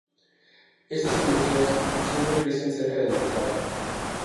Estas industrias siempre crecen cerca del mercado.